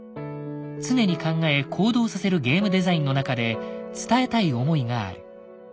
常に考え行動させるゲームデザインの中で伝えたい思いがある。